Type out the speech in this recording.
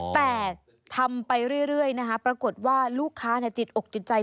แต่ทำไปเรื่อยนะคะปรากฏว่าลูกค้าติดอกติดใจ